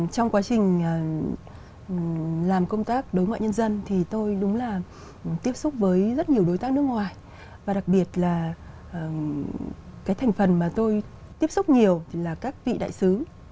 trong quá trình làm công tác đối ngoại nhân dân thì tôi đúng là tiếp xúc với rất nhiều đối tác nước ngoài và đặc biệt là cái thành phần mà tôi tiếp xúc nhiều thì là các vị đại sứ